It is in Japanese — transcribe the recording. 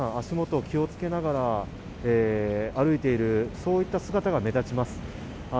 足元気をつけながら歩いているそういった姿が目立ちます。